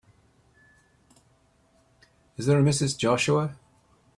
Is there a Mrs. Joshua?